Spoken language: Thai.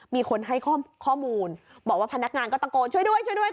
มีคนให้ข้อมูลบอกว่าพนักงานก็ตะโกนช่วยด้วยช่วยด้วย